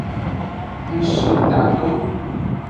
Ng so tado.